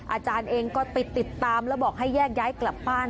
อาจารย์เองก็ไปติดตามแล้วบอกให้แยกย้ายกลับบ้าน